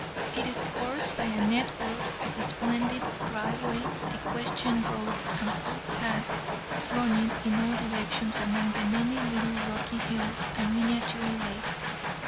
It is coursed by a net work of splendid drive ways, equestrian roads and foot paths running in all directions among the many little rocky hills and miniature lakes.